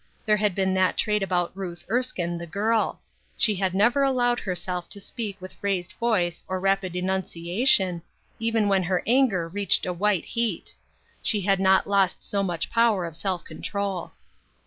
There had been that trait about UNWELCOME RESPONSIBILITIES. 49 Ruth Erskine, the girl : she had never allowed herself to speak with raised voice or rapid enuncia tion, even when her anger reached a white heat ; she had not lost so much power of self control.